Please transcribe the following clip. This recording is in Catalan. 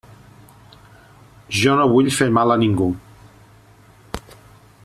Jo no vull fer mal a ningú.